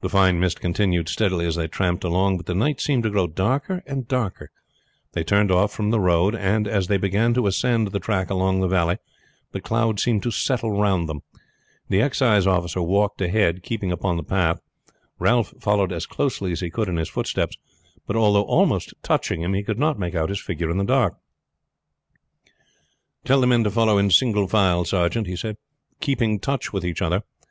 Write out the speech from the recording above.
The fine mist continued steadily as they tramped along; but the night seemed to grow darker and darker. They turned off from the road; and as they began to ascend the track along the valley the cloud seemed to settle round them. The excise officer walked ahead, keeping upon the path. Ralph followed as closely as he could in his footsteps; but although almost touching him he could not make out his figure in the darkness. "Tell the men to follow in single file, sergeant," he said; "keeping touch with each other.